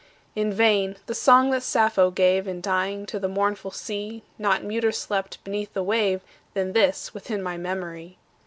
In vain: the song that Sappho gave, In dying, to the mournful sea, Not muter slept beneath the wave Than this within my memory.